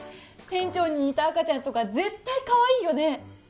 店長に似た赤ちゃんとか絶対かわいいよね